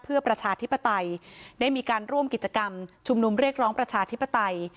เพื่อประชาธิปไตยได้มีการร่วมกิจกรรมชุมนุมเรียกร้องประชาธิปไตย